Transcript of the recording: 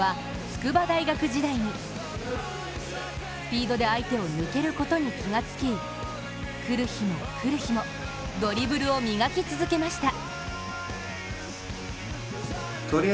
スピードで相手を抜けることに気がつき、来る日も来る日も、ドリブルを磨き続けました。